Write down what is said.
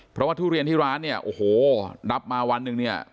เพราะว่าทุเรียนที่ร้านเนี่ยโอ้โหนับมาวันหนึ่งเนี่ย